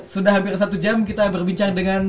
sudah hampir satu jam kita berbincang dengan